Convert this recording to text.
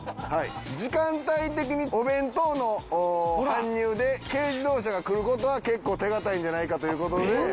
時間帯的にお弁当の搬入で軽自動車が来る事は結構手堅いんじゃないかという事で。